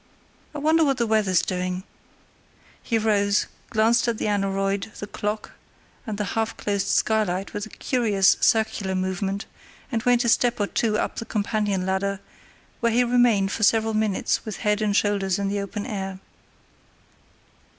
I wonder what the weather's doing"; he rose, glanced at the aneroid, the clock, and the half closed skylight with a curious circular movement, and went a step or two up the companion ladder, where he remained for several minutes with head and shoulders in the open air.